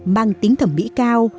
mang tính thẩm mỹ cao